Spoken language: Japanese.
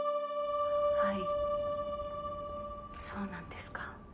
はいそうなんですか。